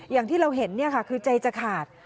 อย่างที่เราเห็นเนี่ยค่ะคือใจจะขาด